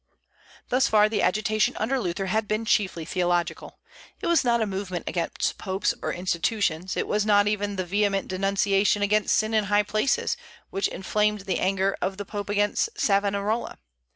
Thus far the agitation under Luther had been chiefly theological. It was not a movement against popes or institutions, it was not even the vehement denunciation against sin in high places, which inflamed the anger of the Pope against Savonarola.